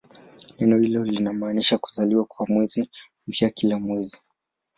Neno hilo linamaanisha "kuzaliwa" kwa mwezi mpya kila mwezi.